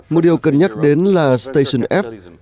một điều cần nhắc đến là station f